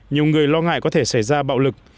nhiều người lo ngại có thể xảy ra bạo lực